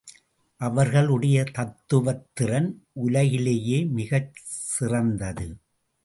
அவர்களுடைய தத்துவத் திறன் உலகிலேயே மிகச் சிறந்தது.